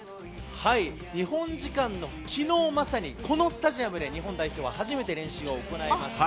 日本時間のきのう、まさにこのスタジアムで日本代表は初めて練習を行いました。